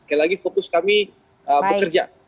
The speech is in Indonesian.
sekali lagi fokus kami bekerja